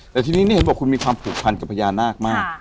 แต่ทีนี้นี่เห็นบอกคุณมีความผูกพันกับพญานาคมาก